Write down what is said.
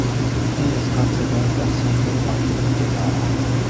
He is considered a "symbol of the Intifada".